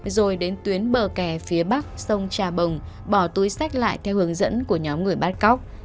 rồi đến tuyến bờ kè phía bắc sông trà bồng bỏ túi sách lại theo hướng dẫn của nhóm người bắt cóc